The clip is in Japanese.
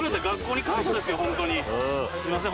すいません。